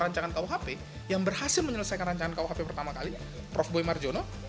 rancangan kau hp yang berhasil menyelesaikan rancangan kau hp pertama kali prof boy marjono